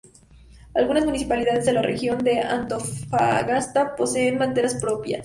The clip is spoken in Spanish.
Algunas municipalidades de la Región de Antofagasta poseen banderas propias.